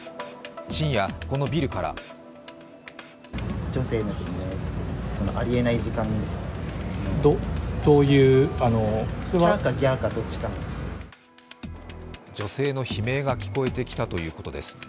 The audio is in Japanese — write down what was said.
深夜、このビルから女性の悲鳴が聞こえてきたということです。